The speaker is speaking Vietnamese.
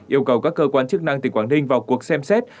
yêu cầu các cơ quan chức năng tỉnh quảng ninh vào cuộc xem xét